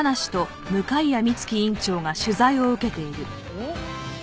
おっ！